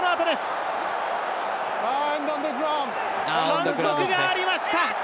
反則がありました。